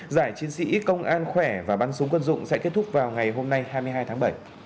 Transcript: giải chiến sĩ công an khỏe và bắn súng quân dụng sẽ kết thúc vào ngày hôm nay hai mươi hai tháng bảy